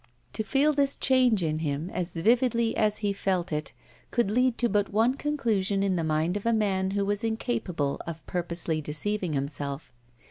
To feel this change in him as vividly as he felt it, could lead to but one conclusion in the mind of a man who was incapable of purposely deceiving himself.